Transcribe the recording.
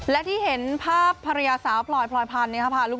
และที่เห็นภาพภรรยาสาวพลอยพลอยพันธุ์